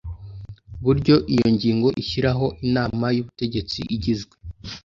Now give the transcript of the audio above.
Buryo iyo ngingo ishyiraho inama y ubutegetsi igizwe